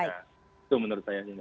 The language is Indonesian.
itu menurut saya